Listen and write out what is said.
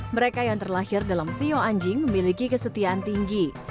mereka yang terlahir dalam sio anjing memiliki kesetiaan tinggi